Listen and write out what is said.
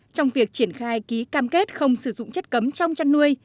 trong việc triển khai ký cam kết không sử dụng chất cấm trong chăn nuôi